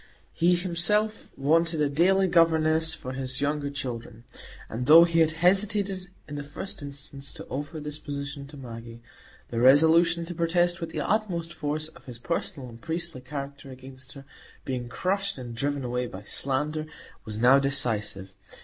He himself wanted a daily governess for his younger children; and though he had hesitated in the first instance to offer this position to Maggie, the resolution to protest with the utmost force of his personal and priestly character against her being crushed and driven away by slander, was now decisive.